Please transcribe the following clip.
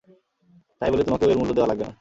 তাই বলে তোমাকেও এর মূল্য দেয়া লাগবে না।